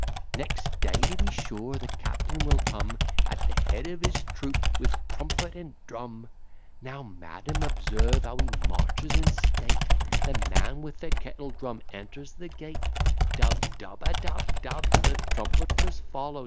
Next day to be sure, the captain will come, At the head of his troop, with trumpet and drum. Now, madam, observe how he marches in state: The man with the kettle drum enters the gate: Dub, dub, adub, dub. The trumpeters follow.